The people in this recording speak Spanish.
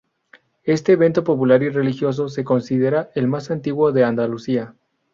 Este evento popular y religioso se considera el más antiguo de Andalucía.